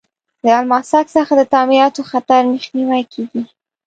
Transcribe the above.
د الماسک څخه د تعمیراتو خطر مخنیوی کیږي.